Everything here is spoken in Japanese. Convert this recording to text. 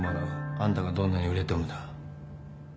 あんたがどんなに売れてもだ。